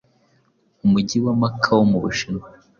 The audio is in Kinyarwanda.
umujyi wa Macao mubushinwa